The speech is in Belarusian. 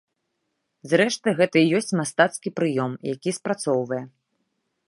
Зрэшты, гэта і ёсць мастацкі прыём, які спрацоўвае.